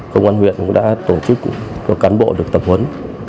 công an huyện đã tổ chức các cán bộ được tập huấn